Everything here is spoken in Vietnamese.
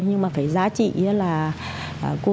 nhưng mà phải giá trị là cô chú